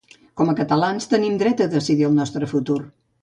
Com a catalans tenim dret a decidir el nostre futur